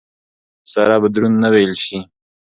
سره به دروند نه وېل شي.